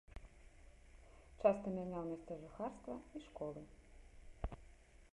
Часта мяняў месца жыхарства і школы.